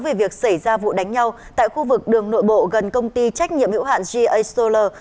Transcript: về việc xảy ra vụ đánh nhau tại khu vực đường nội bộ gần công ty trách nhiệm hữu hạn g a solar